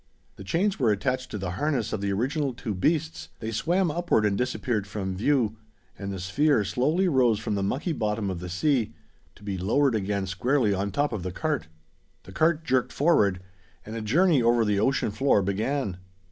The chains were attached to the harness of the original two beasts; they swam upward and disappeared from view; and the sphere slowly rose from the mucky bottom of the sea, to be lowered again squarely on top of the cart. The cart jerked forward, and a journey over the ocean floor began.